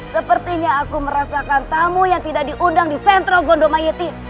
sepertinya aku merasakan tamu yang tidak diundang di sentro gondomayeti